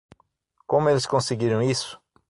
Como eles conseguiram isso?